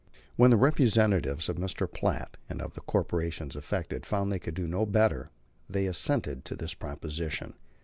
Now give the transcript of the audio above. When the representatives of Mr. Platt and of the corporations affected found they could do no better, they assented to this proposition.